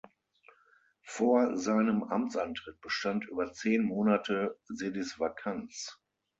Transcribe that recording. Vor seinem Amtsantritt bestand über zehn Monate Sedisvakanz.